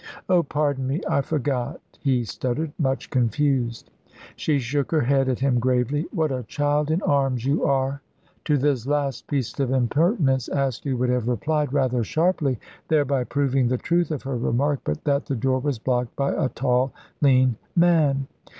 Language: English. "Oh, pardon me I forgot," he stuttered, much confused. She shook her head at him gravely. "What a child in arms you are!" To this last piece of impertinence Askew would have replied rather sharply, thereby proving the truth of her remark, but that the door was blocked by a tall lean man.